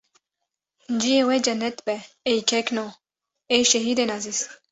ciyê we cennet be ey kekno, ey şehîdên ezîz.